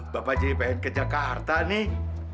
bapak jadi pengen ke jakarta nih